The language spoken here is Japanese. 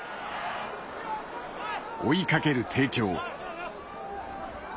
追いかける帝京。